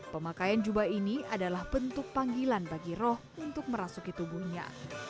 pemakaian jubah ini adalah bentuk panggilan bagi roh untuk merasuki tubuhnya